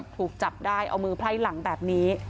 ถูกจับได้เอามือไพ่หลังแบบนี้